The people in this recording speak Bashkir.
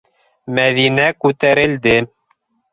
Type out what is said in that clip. Мәҙинә күтәрелде.